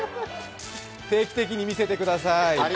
定期的に見せてください。